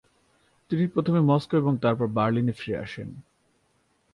তিনি প্রথমে মস্কো এবং তারপর বার্লিনে ফিরে আসেন।